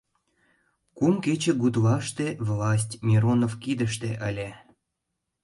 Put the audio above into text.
Кум кече гутлаште власть Миронов кидыште ыле.